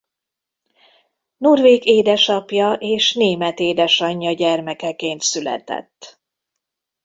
Norvég édesapja és német édesanya gyermekeként született.